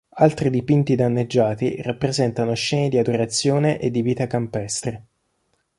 Altri dipinti danneggiati rappresentano scene di adorazione e di vita campestre